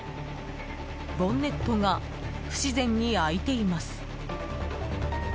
ボンネットが不自然に開いています。